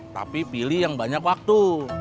tapi pilih yang banyak waktu